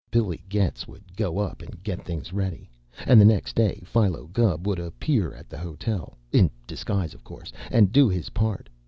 Billy Getz would go up and get things ready, and the next day Philo Gubb would appear at the hotel in disguise, of course and do his part.